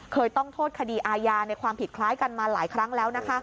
ต้องโทษคดีอาญาในความผิดคล้ายกันมาหลายครั้งแล้ว